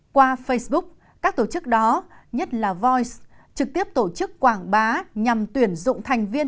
qua facebook các tổ chức đó nhất là voice trực tiếp tổ chức quảng bá nhằm tuyển dụng thành viên